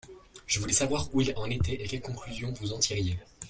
Je voulais savoir où il en était et quelles conclusions vous en tiriez.